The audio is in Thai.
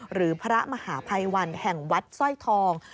หรือพระมหาภัยวันแห่งวัดสร้อยทอง